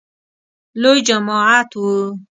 لوی جماعت و .